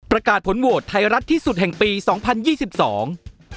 ประกาศผลโหวตไทยรัฐที่สุดแห่งปีสองพันยี่สิบสอง